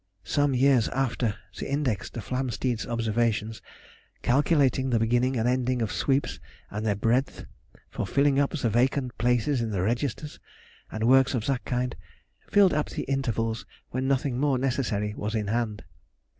Some years after, the index to Flamsteed's observations, calculating the beginning and ending of sweeps and their breadth, for filling up the vacant places in the registers, and works of that kind, filled up the intervals when nothing more necessary was in hand.